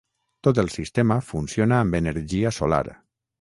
Tot el sistema funciona amb energia solar.